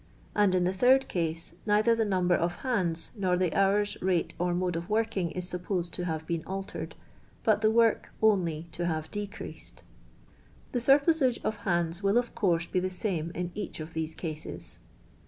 And in the third case, neither the number of hands nor the hours, rate, or mode of working is supposed to have been altered, but the work only to have decreased. The surplusage of hands will, of course, be the same in each of these cases.